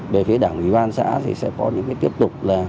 về phía đảng ubnd xã sẽ có những tiếp tục